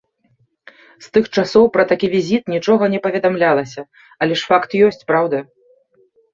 З тых часоў пра такі візіт нічога не паведамлялася, але ж факт ёсць, праўда?